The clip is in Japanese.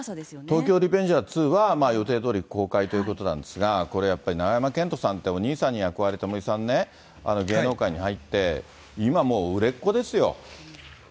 東京リベンジャーズ２は予定どおり公開ということなんですけど、永山絢斗さんって、お兄さんの役割、森さんね、芸能界に入って、今もう、売れっ子ですよ。